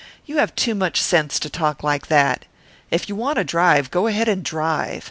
"You have too much sense to talk like that. If you want to drive, go ahead and drive.